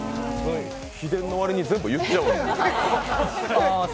秘伝の割に全部言っちゃうんですね。